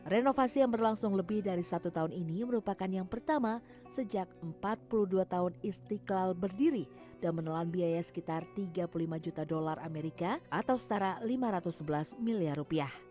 renovasi yang berlangsung lebih dari satu tahun ini merupakan yang pertama sejak empat puluh dua tahun istiqlal berdiri dan menelan biaya sekitar tiga puluh lima juta dolar amerika atau setara lima ratus sebelas miliar rupiah